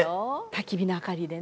たき火の明かりでね。